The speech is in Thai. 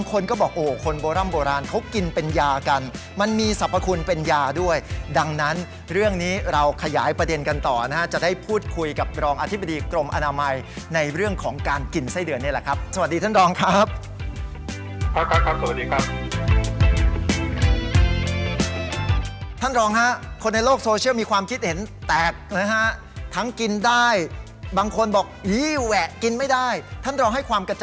คนก็บอกโอ้คนโบร่ำโบราณเขากินเป็นยากันมันมีสรรพคุณเป็นยาด้วยดังนั้นเรื่องนี้เราขยายประเด็นกันต่อนะฮะจะได้พูดคุยกับรองอธิบดีกรมอนามัยในเรื่องของการกินไส้เดือนนี่แหละครับสวัสดีท่านรองครับสวัสดีครับท่านรองฮะคนในโลกโซเชียลมีความคิดเห็นแตกนะฮะทั้งกินได้บางคนบอกยี่แวะกินไม่ได้ท่านรองให้ความกระ